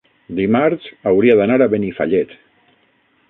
dimarts hauria d'anar a Benifallet.